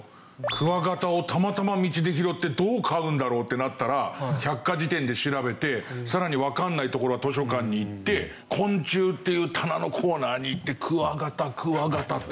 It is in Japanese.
クワガタをたまたま道で拾ってどう飼うんだろうってなったら百科事典で調べてさらにわからないところは図書館に行って昆虫っていう棚のコーナーに行ってクワガタクワガタって。